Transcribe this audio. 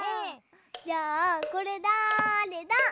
じゃあこれだれだ？